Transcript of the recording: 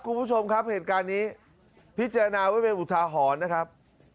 คุณผู้ชมครับเหตุการณ์นี้พิจารณาไว้เป็นอุทาหรณ์นะครับ